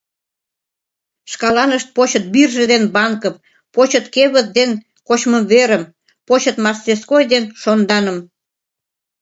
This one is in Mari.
Шкаланышт почыт бирже ден банкым, почыт кевыт ден кочмыверым, почыт мастерской ден шонданым...